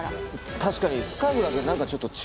確かにスカーフだけなんかちょっと違いますよね。